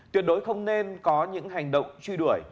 tuyệt đối không nên có những hành động truy đuổi